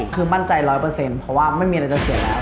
คือมั่นใจ๑๐๐เพราะว่าไม่มีอะไรจะเสียแล้ว